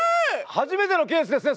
初めてのケースですね。